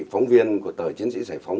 phóng viên của tờ chiến sĩ giải phóng